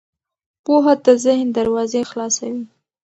پوهه د ذهن دروازې خلاصوي.